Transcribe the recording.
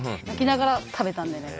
泣きながら食べた。